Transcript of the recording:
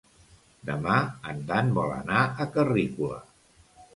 Demà en Dan vol anar a Carrícola.